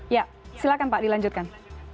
ya silakan pak dilanjutkan